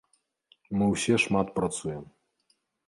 Мы ўсе шмат працуем.